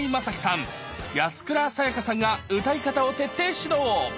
安倉さやかさんが歌い方を徹底指導